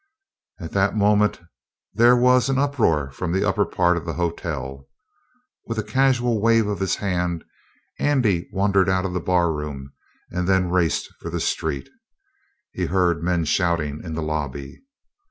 At that moment there was an uproar from the upper part of the hotel. With a casual wave of his hand, Andy wandered out of the barroom and then raced for the street. He heard men shouting in the lobby.